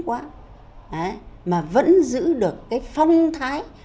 trên dưới văn lời